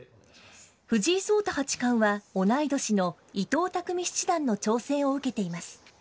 藤井聡太八冠は、同い年の伊藤匠七段の挑戦を受けています。